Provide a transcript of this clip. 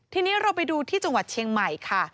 ทีนี้เราไปดูที่จังหวัดเชียงใหม่ค่ะ